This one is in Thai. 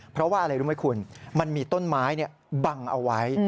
เพราะว่าอะไรรู้ไหมคุณมันมีต้นไม้บังเอาไว้